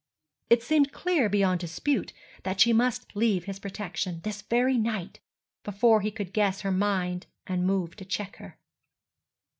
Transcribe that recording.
It seemed clear beyond dispute that she must leave his protection, this very night, before he could guess her mind and move to check her.